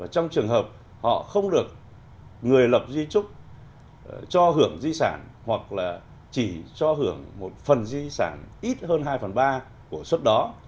trong trường hợp họ không được người lập di trúc cho hưởng di sản hoặc là chỉ cho hưởng một phần di sản ít hơn hai phần ba của xuất đó